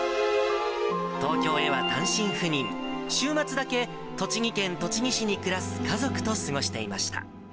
東京へは単身赴任、週末だけ、栃木県栃木市に暮らす家族と過ごしていました。